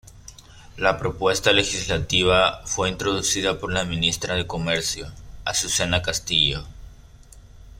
La propuesta legislativa fue introducida por la ministra de comercio, Azucena Castillo.